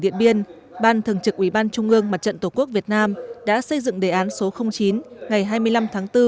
điện biên ban thường trực ubnd mặt trận tổ quốc việt nam đã xây dựng đề án số chín ngày hai mươi năm tháng bốn